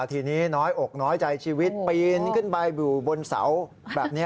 ทีนี้น้อยอกน้อยใจชีวิตปีนขึ้นไปอยู่บนเสาแบบนี้